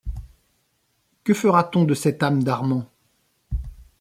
Que fera-t-on de cette âme d’Armand?